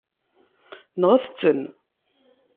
Nɣet-ten.